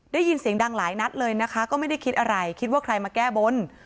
ได้ยินเสียงดังหลายนัดเลยนะคะก็ไม่ได้คิดอะไรคิดว่าใครมาแก้บน